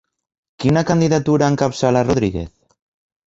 Quina candidatura encapçala Rodríguez?